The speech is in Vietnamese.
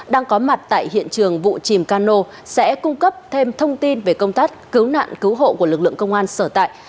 đang có mặt tại hiện trường vụ chìm cano sẽ cung cấp thêm thông tin về công tác cứu nạn cứu hộ của lực lượng công an sở tại